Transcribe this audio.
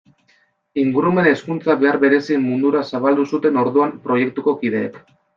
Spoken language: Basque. Ingurumen hezkuntza behar berezien mundura zabaldu zuten orduan proiektuko kideek.